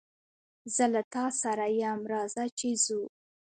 زه له تاسره ېم رازه چې ځو